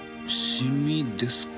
染みですか？